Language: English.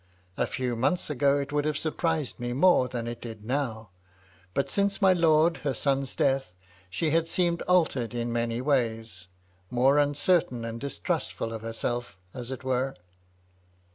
A few months ago it would have surprised me more than it did now ; but since my lord her son's death, she had seemed altered in many ways, — ^more uncertain and distrustful of herself, as it were.